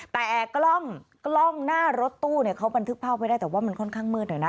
แต่กล้องหน้ารถตู้เนี่ยเขาบันทึกภาพไว้ได้แต่ว่ามันค่อนข้างมืดหน่อยนะ